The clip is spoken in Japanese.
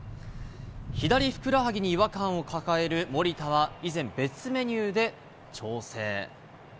左ふくらはぎに違和感を抱える守田は依然、別メニューで調整。